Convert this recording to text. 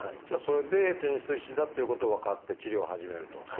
じゃあそれでテニス肘だっていうことが分かって治療を始めると。